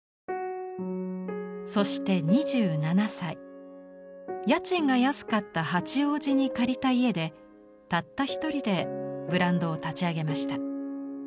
そして２７歳家賃が安かった八王子に借りた家でたった一人でブランドを立ち上げました。